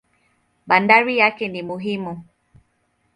Bandari yake ni muhimu.